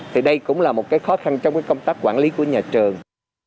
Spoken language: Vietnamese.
thì đây cũng là một cái khó khăn trong cái công tác quản lý của nhà trường